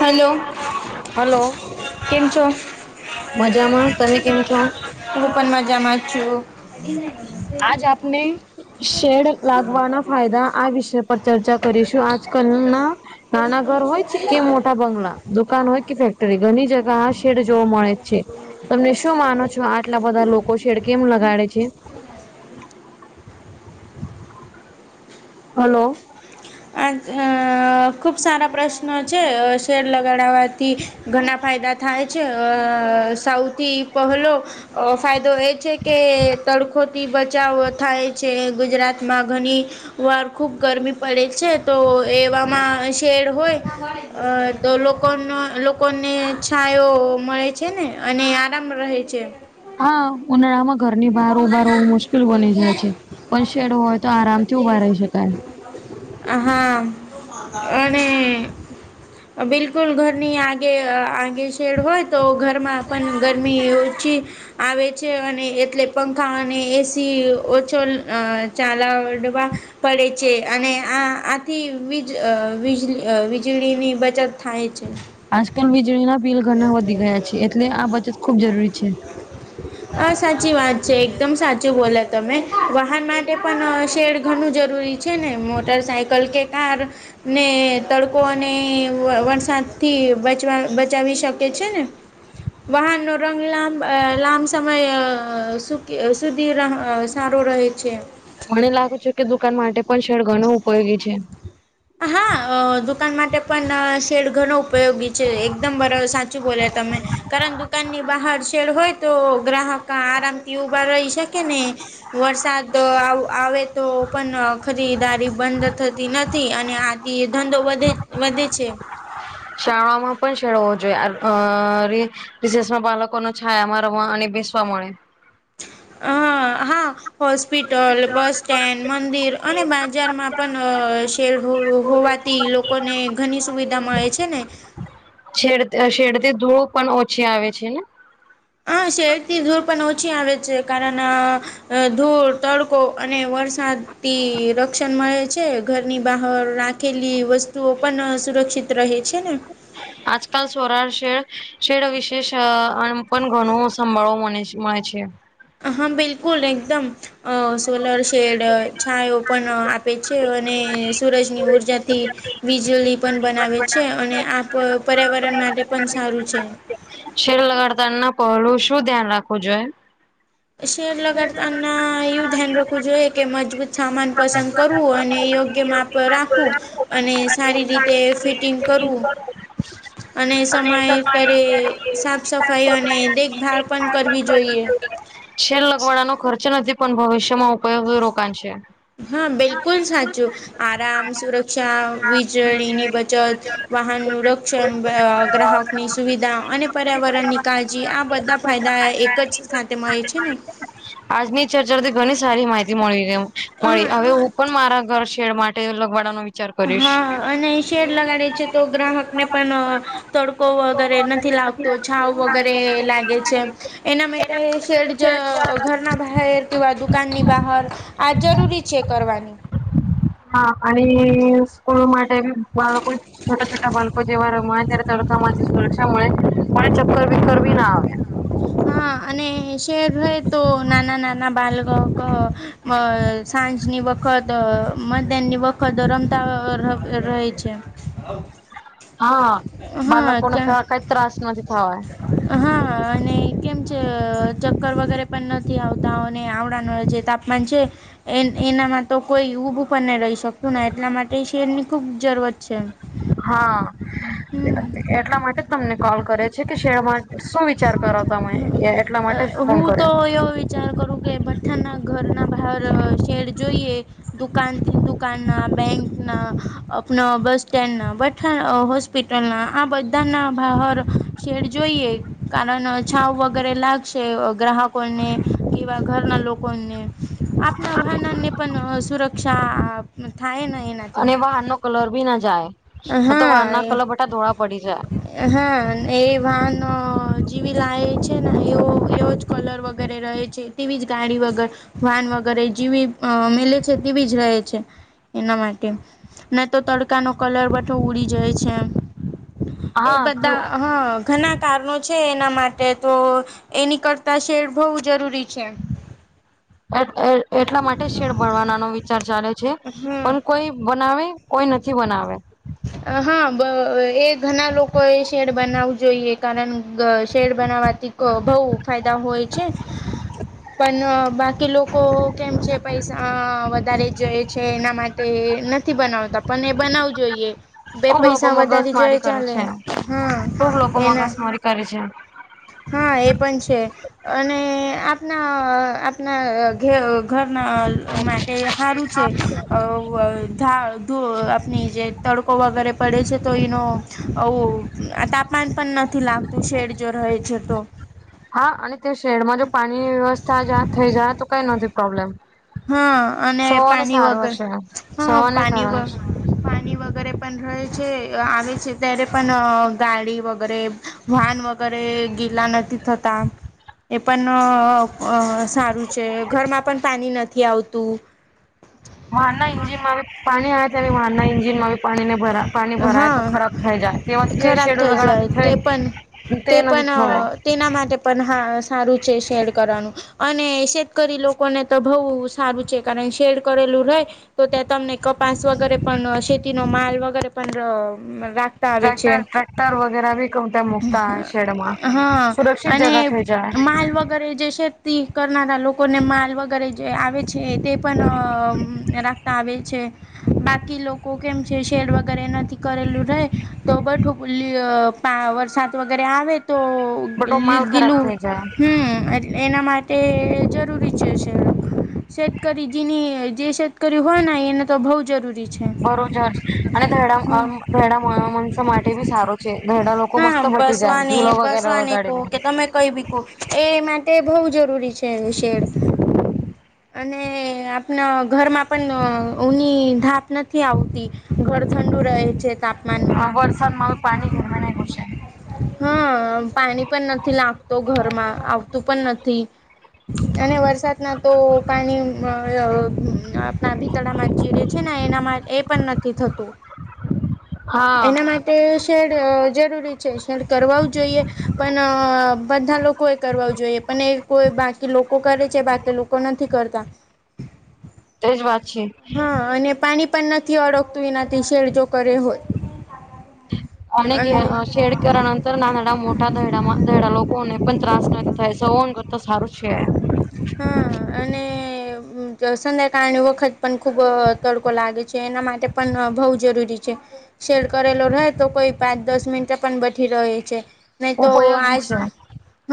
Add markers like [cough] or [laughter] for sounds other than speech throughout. હ હલો કેમ છો મજામાં તમે કેમ છો તું પણ મજામાં છું આજ આપને શેડ લાગવાના ફાયદા આ વિષય પર ચર્ચા કરીશું આજ કલ ના નાના ઘર હોય છે કે મોટ ટા બંગલા દુકાન હોય કે ફેક્ટરી ઘણી જગ્યા આ શેડ જોવા મળે છે તમને શું માનો છો આટલા બધા લોકો છેેડ કેમ લગાડે છે બલો હલો આ ખૂબ સારા પ્રશ્નો છે શેર લગાડવા થી ઘણા ફાયદા થાય છે સાઉથ થી પહેલો ફાયદો એ છે કે તડખો થી બચાવો થાય છે. ગુજરાતમાં ઘણી વાર ખૂબ ગરમી પડે છે. તો એવામાં શેડ હોય અ તો લોકોનો લોકોને છાયો મળે છે. ને અને આરામ રહે છે. હા ઉનાળામાં ઘરની બહાર ઉભા હોવું મુશ્કેલ બની જાય છે. પણ શેડ હોય તો આરામથી ઉભા રહી હા શકાય. હા અને બિલકુલ ઘરની આગે આગે શેડ હોય તો ઘરમાં પણ ગરમી ઓછી. આવે છે અને એ એટલે પંખા અને એ. સી ઓછો ચાાલાડવા. પડે છે અને આ આથીજજ [unintelligible] વીજળીની બચત થાય છે. આજકાલ વીજળીના બિલ ઘણાં વધી ગયા છે એટલે આ બચત ખુબ જરૂરી છે. હ સાચી વાત છે. એકદમ સાચું બોલ્યા તમે વાહન માટે પણ શેડ ઘણું જરૂરી છે, ને મોટર સાઇકલ કે કાર ને તડકો અને વરસાદથી બચવા બચાવી શકે છે ને વાહનનો રંગ લાંબ લાંબ સમય સુકી સુધી સારો રહે છે. મને લાગુ છે કે દુકાન માટે પણ શેળ ઘણું ઉપયોગી છે. હા દુકાન માટે પણ શેડ ઘણો ઉપયોગી છે. એકદમ બરાબર સાચું બોલ્યા તમે કારણ દુકાનની બહાર શેડ હોય તો ગ્રાહક આરામથી ઉભા રહી શકે ને વરસાદ આવે તો પણ ખરીદારી બંધ થતી નથી અને આથી ધંધો વધે વધે છે. શાળામાં પણ શેડો હોવા જોઈએ અરે વિશેષમાં બાળકોને છાયામાં રમવા અને બેસવા મળે અ હા હોસ્પિટલ બસ સ્ટેન્ડ મંદિર અને બજારમાં પણ શેડ હોવાથી લોકોને ઘણી સુવિધા મળે છે ને છેડ છેડતી ધૂળ પણ ઓછી આવે છે ને હ શહેરથી ધૂપ પણ ઓછી આવે છે કારણ ધૂપ તડકો અને વરસાદ થી રક્ષણ મળે છે. ઘરની બહાર રાખેલી વસ્તુઓ પણ સુરક્ષિત રહે છે ને હ [inaudible] આજકાલ સોરાળ શે શેડ વિશેષન પણ ઘણું સંભાળો મળે છે. હા બિલકુલ એકદમ અ સોલર શેડ છાયો એ પણ આપે છે અને સૂરજની ઉર્જાથી વિજળી પણ બનાવે છે. છે અને આ પર્યાવરણ માટે પણ સારું છે. શેર લગાડતા પહેલા શું ધ્યાન રાખવું જોઈએ. શેર લગાડતાના એવું ધ્યાન રાખવું જોઈએ કે મજબૂત સામાન પસંદ કરવું અને યોગ્ય માપ રાખવું અને સારી રીતે ફિટિંગ કરવુ અને સમયાતરે સાફ સફાઈ અને દેખભાલ પણ કરવી જોઈએ. શેર લગવાડાનો ખર્ચ નથી પણ ભવિષ્યમાં ઉપયોગ રોકાણ છે. હા બિલકુલ સાચું આરામ સુરક્ષા વીજળીની બચત વાહનનું રક્ષણ ગ્રાહકની સુવિધા અને પર્યાવરણની કાળજી આ બધા ફાયદા એક જ સાથે મળે છે ને આજની ચર્ચાથી ઘણી સારી માહિતી મળી મળી હવે હું પણ મારા ઘર છેેડ માટે લગવાડાનો. વિચાર કરીશ. હા અને શેર લગાડે છે તો ગ્રાહકને પણ તડકો વગેરે નથી. નથી લાવતો છાવ વગેરે લાગે છે. એના માટે શેડ જો ઘરના બાહેર. તેવા દુકાનની બહાર આ જરૂરી છે કરવાની. હા અને સ્કૂલ માટે બી બાળકો. છોટા છોટા બાળકો જેવા રમવા આવે ત્યારે તડકામાંથી સુરક્ષા મળે અને ચક્કર બક્કર બી ના આવે. હા અને શહેર રહે તો નાના નાના બાલક અ સાંજની વખ વખત મદનની વખત રમતા રવે રહે છે. હા હા બાલકોને કે ત્યાં એવા કાઈ ત્રાસ નથી થવા. હા અને કેમ છે ચક્કર વગેરે પણ નથી આવતા અને આવડાનું જે તાપમાન છે. એન એનામાં તો કોઈ ઊભું પણ નહીં રહી શકતું ને એટલા માટે શેરની ખૂબ જરૂરત છે. હા હમ એટલા માટે જ તમને કોલ કર્યો છે કે શેરમાં શું વિચાર કરો તમે? એટલા માટે જ અ ફોન હું તો કર્યો. એવું વીચ વિચાર કરું કે ભઠ્ઠાના ઘરના બહાર અ શેડ જોઈએ. દુકાનથી દુકાનના, બેંકના, અપના બસ સ્ટેન્ડના, ભઠ્ઠાના અ હોસ સ્પિટલના આ બધાના બહાર શેડ જોઈએ કારન છાવ વગ ગરે લાગશે ગ્રાહકોને કે એવા ઘરના લોકોને. આપના વાહનને પન સુરક્ષા થાય ને એના અને વાહનનો કલર ભી ના જાય, ન તો હા વાહનના કલર બટા ધોળા પડી જાય. એ હહ એ વાન જેવી લાવ છે ને એવો એવો જ કલર વગેરે રહે છે. તેવી જ ગાડી વગર વાહન વગેર એ જેવી મેલે છે તેવી જ રહે છે. એના માટે ન તો તડકાનો કલર બઠો ઉડી જાય છે એ હા બધા હહ ઘના કારનો છે એના માટે તો એની કરતાં શેડ બહુ જરૂરી છે. એટ એટલા માટે શેડ બનવાનાનો વિચાર ચાલે છે હમ પણ કોઈ બનાવે? કોઈ નથી બનાવે. અ હહ બ એ ઘના લોકોએ શેડ બનાવું જોઈએ કારન ગ શેડ બનાવાથી. ક બહુ ફાયદા હોય છે. પન બાકી લોકો કેમ છે પૈસા વધારે જ છે એના માટ ટે નથી બનાવતા પન એ બનાવું જોઈએ. બે ખુબ લોકો પૈસા વધારે જોય મગજમારી એ કરે ચાલે છે હહ ખુબ લોકો એના. મગજમારી કરે છે. હા એ પન છે અને આપના આપના. ઘ ઘરના માટે હારું છે અ વ ધા ધો આપની જે તડકો વગેરે પડે છે તો ઈનો આવું તાપ માન પન નથી લાગતું શેડ જો રહે છે તો. હા અને ત્યા શેડમાં જો પાણીની વ્યવસ્થા જા થઈ જાય તો કાઈ નથી પ્રોબ્લમ. હહ અને પાની વગર છ સૌને પાની સારો વગ હશે. પાની વગેરે પન રહે છે અ આવે છે ત્યારે પન ગાડી વગ ગેરે વાહન વગેરે ગીલા નથી થત તા એ પન અ અ સારું છે ઘરમાં પન પાની નથ થી આવતું. હા નહીં જે મારે પાણી આયતા મેં વાહનના ઇન્જિનમાં બી પાણીને ભરા. પાની ભરાય તો હા ખરાબ થઈ જાય તેવા જે ખરાબ શેડો થઈ જાય લગાડવાથી તે પણ થઈ તે નથી થવ તેના માટે પન હા સારું છે શેડ કરવાનું. અને શેતકરી લોકોને તો બહુ સારું છે કારણ શેડ કરેલું રહેે તો ત્યાં તમને. કપાસ વગેરે પણ શેતીનો માલ વગેરે પણ રાખ. ટ્રેક્ટર ટ્રેક્ટર વગેરા બી કઉં ત્યા મુકતા હય શેડમાં હા સુરક્ષિત જગા અને થઈ જાય માલ વગેરે જે શેતી કરનારા લોકોને માલ વગ કરે જે આવે છે તે પન અ રાખતા આવે છે. બાકી લોકો કેમ છે શેર વગ વગર એનાથી કરેલું રહે તો બઠું ભૂલી અ પા વરસાદ વગેરે આવે તો બટો માલ ખરાબ ગીલું થઈ જાય. હમ એ એના માટે જરૂરી છે છે શતકરી જેની જે શેતકરી હોય ને એને તો બઉ જરૂરી છે બજ હમ અનેડાસ માટે બી સારો ધરડા લોકો હા મસ્ત બટી જાય ઝુલો વગેરે લગાડીને કઈવીી કો એ માટે બઉુ જરૂરી છે શેડ [inaudible] અને આપણા ઘરમાં પણ ઊની ધાપ નથી આવતી ઘર ઠંડુ રહે છે તાપમાન વર્સાન મા પાણી ઘરના ના ઘશે હા પાણી પણ નથી લાગતો ઘરમાં આવતું પણ નથી અને વરસાદ ના તો પાણી આપણા ભીતળમાં જ જીવે છે ને એના માટે એ પણ નથી થતું હા એના માટે શેડ જરૂરી છે ખ કરવા જોઈએ પણ બધા લોકો એ કરવા જોઈએ પણ એ કોઈ બાકી લોકો કરે છે વાત લોકો નથી કરતા તેજ વાત છેી હા અને પાણી પણ નથી ઓળકતું એનાથી શેરજો કરે હોય અણગ અને શેડ કણ અંતર નાના ના મોટાયેડા લોકો ને પણ ત્રાસ નથી થાય સ તો સારું છે હા અને સંધાયકાળની વખત પણ ખૂબ તડકો લાગે છે એના માટે પણ બહુ જરૂરી છે સેલ્ડ કરેલો રહેે તો કોઈ પાંચ દસ મિંટ પણ બઠી રહ્યો છે નહી તો ઉપયોગી આજ છે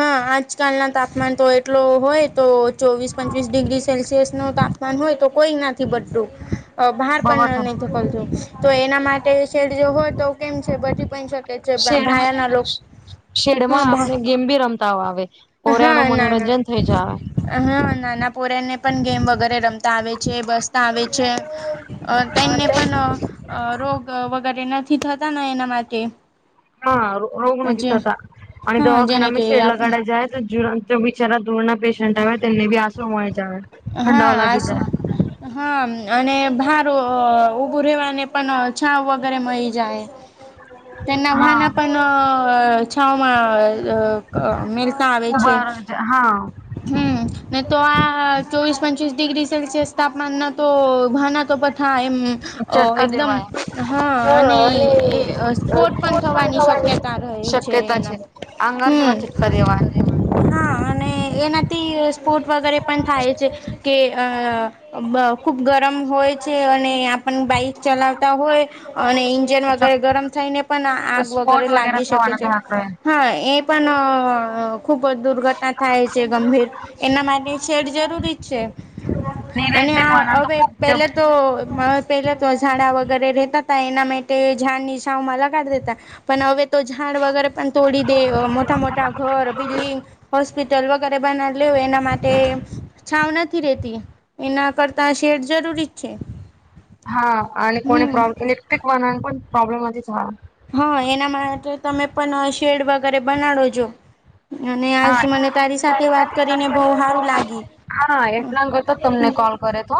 હા આજકાલના તાપમાન તો એટલો હોય તો ચોવીસ પંચવીસ ડિગ્રી સેલ્સિયસ નું તાપમાન હોય તો કોઈ ના બટું બહાર પણ બવટ નથી ફલતું તો એના માટે શેડ જો હોય તો કેમ છે બચી પણ શકે છે શેડમાં ભયા ના લોકો હા શેડમાં ભા આપને ગેમ બી રમતા આવે પોર ન હા ના ના મનોરંજન થઈ જ આવે હા નાના પ પોર્યા ને પણ ગેમ વગેરે રમતા આવે છે બસતા આવે છે તેમને પણ અ રોગ વગેરે નથી થતા એના માટે હા રોગ ન નથી ત જે થ હતા અને હા જેને કે દવાખાનામાં આપ શેડલા કાઢ છે જ જો બિચારા ધૂરના પેશન્ટ આવે તેમને બી આંસુ મળી જ હા ઠંડાઓ લાગી જાય આ હા અને ભાર ઊભું રહેવાને પણ છાવ વગેરે મળી જાય [unintelligible] તેમના હા વાના પણ અ છાાવમાં ક મેળતા આવે છે ઉભા હા હમ ને તો આ ચોવીસ પંચવીસ ડિગ્રી સેલ્સિયસ તાપમાન ન તો ભાના કપથા એમ ચટકા એકદમ દેવાય હા અને સ્ટ પણ થવાની શક્યતા રહે છે એના આંગર જેવા ચટકા દેવાય. હમ હા અને એનાથી સ્પોર્ટ વગેરે પણ થાય છે કે અ ખુબ ગરમ હોય છે અને પણ બાઈક ચલાવતા હોય અને ઇંજન વગેરે ગરમ થઈને પણ આગ સ્પોટ વગેરે લાગી શકે થવાના છે દાખલા હોય. હા એ પણ ખૂબ દુર્ઘટના થાય છે ગંભીર એના માટે છેડ જરૂરી અને ઇલેક્ટ્રિક વાહન તો હવે ખુબ પેલા તો તો પેલા તો ઝાડા વગેરે રેતા હતાા એના માટે ઝાડ ની છાવમાં લગાડી દેતા પણ હવે તો ઝાડ વગેરે પણ તોડી દે મોટા મોટા ઘર બિલ્ડિંગ હોસ્પિટલ વગેરે બનાવી લે હોય એના માટે નથી રેતી એના કરતા શેડ જરૂરી જ છે. હા અને કોને હમ પ્રોબ્લેમ લેક્ટ્રિક વાહન પણ પ્રોબ્લેમ હતી જ હા હા એના માટે તમે પણ શેડ વગેરે બનાડો છો અને આજ હા મને તારી સાથે વાત કરીને બહુ સારું લાગ્યું. હા એટલા કર તો તમને કોલ કરે તો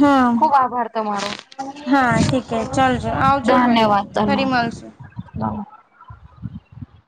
હા ખુબ આભાર તમારો હા ઠીકે ચાલજો આવજો ફરી ફરી મળશુ નાવ